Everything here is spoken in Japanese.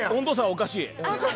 おかしい。